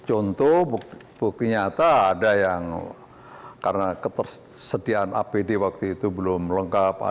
contoh bukti nyata ada yang karena ketersediaan apd waktu itu belum lengkap